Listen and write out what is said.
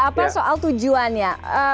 apa soal tujuannya